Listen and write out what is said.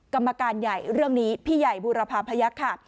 กรรมการใหญ่เรื่องนี้พี่ใหญ่บูรพาพยักษ์ค่ะ